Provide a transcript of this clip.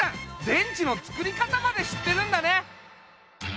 電池のつくり方までしってるんだね。